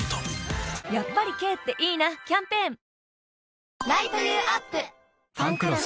やっぱり軽っていいなキャンペーン「ファンクロス」